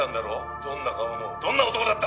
どんな顔のどんな男だった？」